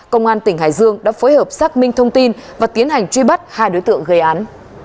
công an tỉnh hải dương đã phối hợp xác minh thông tin và tiến hành truy bắt hai đối tượng gây án